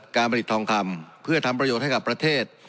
การผลิตทองคำเพื่อทำประโยชน์ให้กับประเทศ